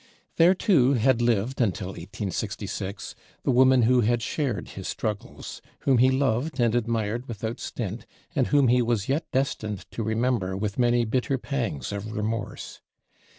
There too had lived until 1866 the woman who had shared his struggles, whom he loved and admired without stint, and whom he was yet destined to remember with many bitter pangs of remorse.